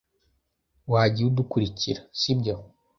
Wagiye udukurikira, si byo?